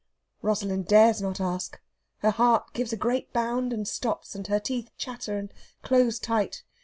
Rosalind dares not ask; her heart gives a great bound, and stops, and her teeth chatter and close tight.